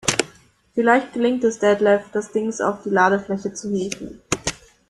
Vielleicht gelingt es Detlef, das Dings auf die Ladefläche zu hieven.